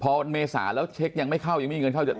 พอเมษาแล้วเช็คยังไม่เข้ายังไม่มีเงินเข้า